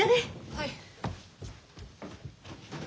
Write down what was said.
はい。